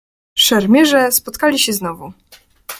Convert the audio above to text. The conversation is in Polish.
"Szermierze spotkali się znowu."